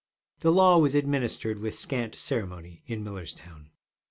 The law was administered with scant ceremony in Millerstown.